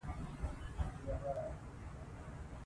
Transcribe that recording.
ماري او پېیر کوري د «پیچبلېند» کان مطالعه وکړه.